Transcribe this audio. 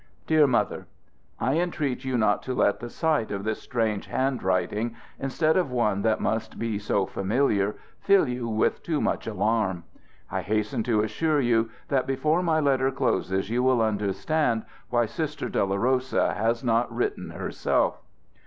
"DEAR MOTHER, I entreat you not to let the sight of this strange handwriting, instead of one that must be so familiar, fill you with too much alarm. I hasten to assure you that before my letter closes you will understand why Sister Dolorosa has not written herself.